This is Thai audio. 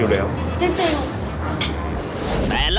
ขอบคุณครับ